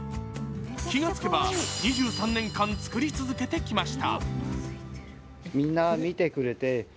気がつけば２３年間作り続けてきました。